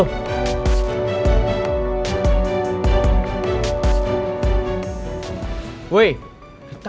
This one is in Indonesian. tidak ada yang bisa dikira